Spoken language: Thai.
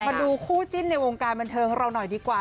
มาดูคู่จิ้นในวงการบันเทิงของเราหน่อยดีกว่า